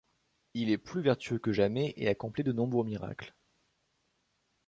Il est plus vertueux que jamais et accomplit de nombreux miracles.